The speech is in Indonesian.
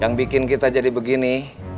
yang bikin kita jadi begini